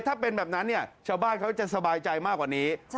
ถ้าเป็นแบบนั้นเนี่ยชาวบ้านเขาจะสบายใจมากกว่านี้